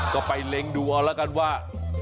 ก็ไปเหลงดูกันเอาละกันว่า